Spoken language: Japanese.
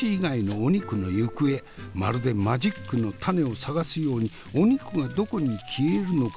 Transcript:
まるでマジックのタネを探すようにお肉がどこに消えるのか？